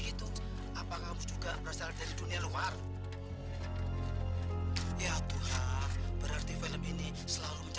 tidak ada orang yang berani dengan dia